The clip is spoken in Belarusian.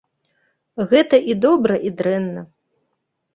Гэта і добра і дрэнна.